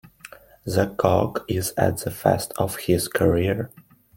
The cock is at the Fest of his career.